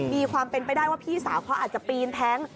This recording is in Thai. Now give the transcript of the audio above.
มีความเป็นไปได้ว่าพี่สาวเขาอาจจะปีนแท้ง